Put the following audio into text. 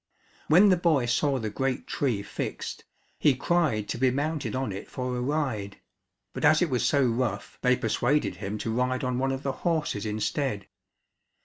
When the boy saw the great tree fixed, he cried to be mounted on it for a ride, but as it was so rough they persuaded him to ride on one of the horses instead.